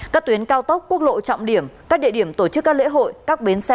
các tuyến cao tốc quốc lộ trọng điểm các địa điểm tổ chức các lễ hội các bến xe bến tàu nhà ga